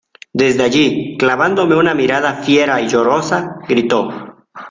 desde allí, clavándome una mirada fiera y llorosa , gritó: